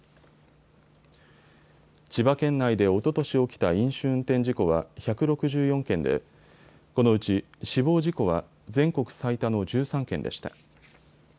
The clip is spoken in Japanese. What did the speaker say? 千葉県内でおととし起きた飲酒運転事故は１６４件でこのうち死亡事故は全国最多の１３件でした。